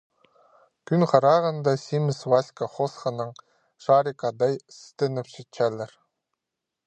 Кӱн харағында симіс Васька хоосханаң Шарик адай сістеніп чатчалар.